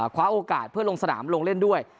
คว้าโอกาสเพื่อลงสนามลงเล่นด้วย